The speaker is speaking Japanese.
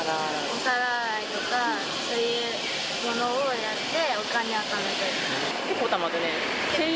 お皿洗いとか、そういうものをやって、結構たまったね。